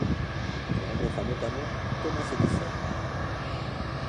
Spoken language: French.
Il rencontra notamment Thomas Edison.